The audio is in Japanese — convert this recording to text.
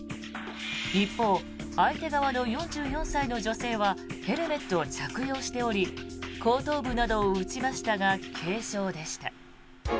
一方、相手側の４４歳の女性はヘルメットを着用しており後頭部などを打ちましたが軽傷でした。